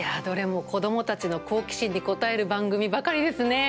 どれも子どもたちの好奇心に応える番組ばかりですね。